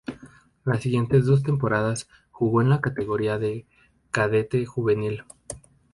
Las siguientes dos temporadas jugó en la categoría de cadete-juvenil.